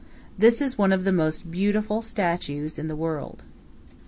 This is one of the most beautiful statues in the world.